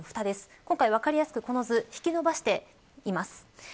今回は、分かりやすく引き伸ばしています。